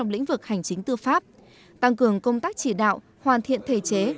lĩnh vực hành chính tư pháp tăng cường công tác chỉ đạo hoàn thiện thể chế